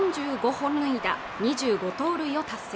本塁打２５盗塁を達成